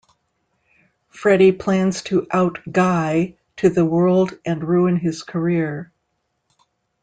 Freddie plans to out Guy to the world and ruin his career.